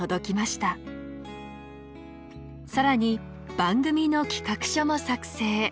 さらに番組の企画書も作成。